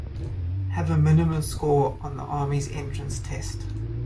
Have a minimum score on the Army’s entrance test